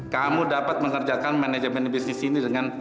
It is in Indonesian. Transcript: kamu dapat mengerjakan manajemen bisnis ini dengan